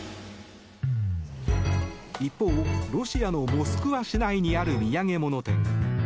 一方、ロシアのモスクワ市内にある土産物店。